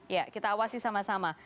ya kita awasi sama sama